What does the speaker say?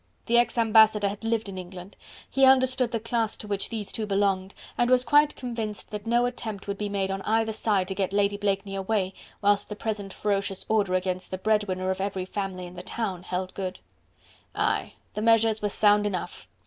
The ex ambassador had lived in England: he understood the class to which these two belonged, and was quite convinced that no attempt would be made on either side to get Lady Blakeney away whilst the present ferocious order against the bread winner of every family in the town held good. Aye! the measures were sound enough.